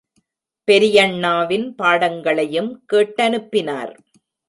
பெரியண்ணாவின் பாடங்களையும் கேட்டனுப்பினார்.